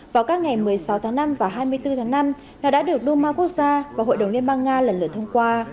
vào các ngày một mươi sáu tháng năm và hai mươi bốn tháng năm nó đã được duma quốc gia và hội đồng liên bang nga lần lượt thông qua